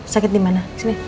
sakit di mana